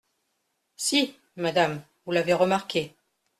Si, madame, vous l’avez remarqué !